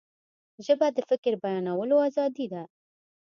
ژبه د فکر بیانولو آزادي ده